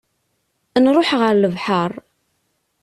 Nruḥ ɣer lebḥer.